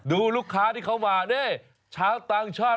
ดูลูกค้าที่เขามา